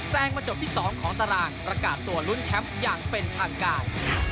งมาจบที่๒ของตารางประกาศตัวลุ้นแชมป์อย่างเป็นทางการ